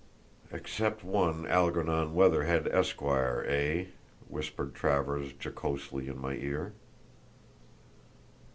"Except one Algernon Weatherhead, Esq., eh?" whispered Travers, jocosely, in my ear.